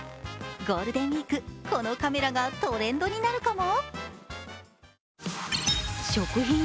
ゴールデンウイーク、このカメラがトレンドになるかも。